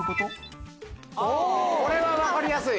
これは分かりやすい。